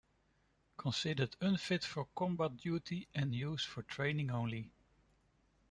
Considered unfit for combat duty and used for training only.